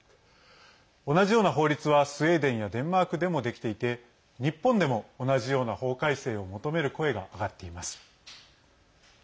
同じような法律はスウェーデンやデンマークでもできていて日本でも同じような法改正を求める声が上がっています。